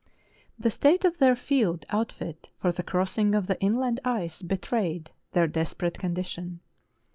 The state of their field outfit for the crossing of the inland ice betrayed their desperate condition.